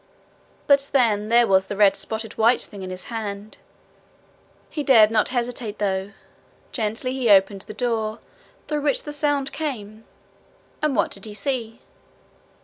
But then there was the red spotted white thing in his hand! He dared not hesitate, though. Gently he opened the door through which the sound came, and what did he see?